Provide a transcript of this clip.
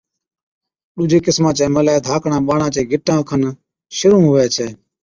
ڏُوجي قِسما چَي ملَي ڌاڪڙان ٻاڙان چي گِٽان کن شرُوع هُوَي ڇَي،